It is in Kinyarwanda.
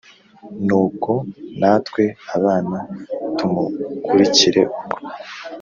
Nuko natwe abana tumukurikire ubwo